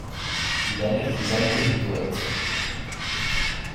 Il alerte les amoureux du poète.